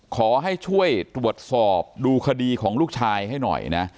ขอให้ช่วยตรวจสอบดูคดีของลูกชายให้หน่อยนะ